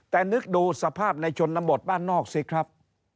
แต่นึกดูสภาพในชนบทบ้านนอกสิครับ